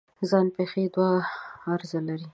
ځان پېښې دوه غرضه لري.